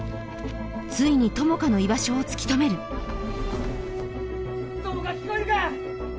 ついに友果の居場所を突き止める友果聞こえるか！